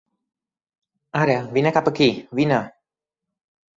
Ara, vine cap aquí! Vine!